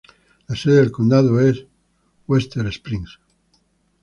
La sede del condado es Webster Springs.